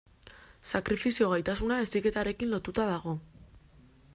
Sakrifizio gaitasuna heziketarekin lotuta dago.